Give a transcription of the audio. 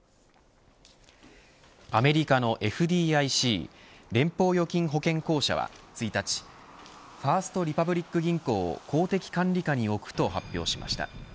アメリカのＦＤＩＣ連邦預金保険公社は１日ファースト・リパブリック銀行を公的管理下に置くと発表しました。